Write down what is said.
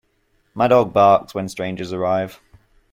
My dog barks when strangers arrive.